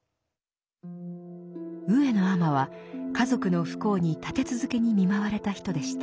上野尼は家族の不幸に立て続けに見舞われた人でした。